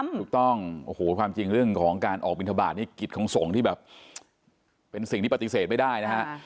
ถูกต้องโอ้โหความจริงเรื่องของการออกบินทบาทนี่กิจของสงฆ์ที่แบบเป็นสิ่งที่ปฏิเสธไม่ได้นะฮะ